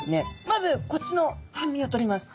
まずこっちの半身を取ります。